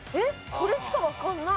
これしかわかんない。